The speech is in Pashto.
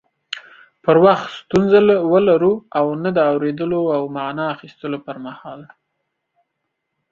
پر وخت ستونزه ولرو او نه د اوريدلو او معنی اخستلو پر مهال